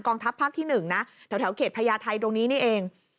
ทัพภาคที่๑นะแถวเขตพญาไทยตรงนี้นี่เอง